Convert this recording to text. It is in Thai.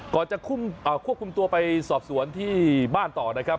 จะควบคุมตัวไปสอบสวนที่บ้านต่อนะครับ